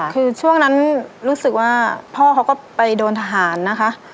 คือช่วงนั้นรู้สึกว่าพ่อเขาก็ไปโดนทหารนะคะ